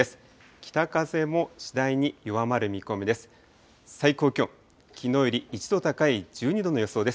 北風も次第に弱まる見込みです。